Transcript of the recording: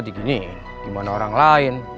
dikini gimana orang lain